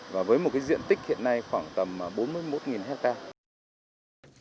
và với một diện tích hiện nay khoảng tầm bốn mươi một hectare